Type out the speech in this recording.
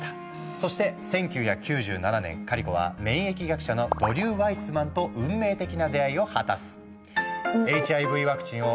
そして１９９７年カリコは免疫学者のドリュー・ワイスマンと運命的な出会いを果たす。